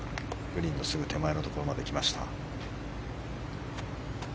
グリーンのすぐ手前のところまで来ました。